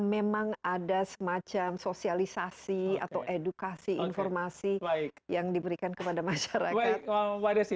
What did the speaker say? memang ada semacam sosialisasi atau edukasi informasi yang diberikan kepada masyarakat